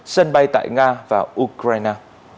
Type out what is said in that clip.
sân bay tại nga và ukraine